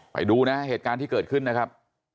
ไปดูนะเหตุการณ์ที่เกิดขึ้นนะครับ